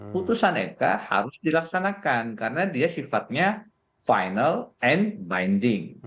putusan mk harus dilaksanakan karena dia sifatnya final and binding